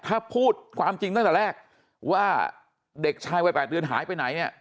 ถ้าพูดความจริงตั้งแต่แรกว่าเด็กชายวัย๘เดือนหายไปไหนเนี่ย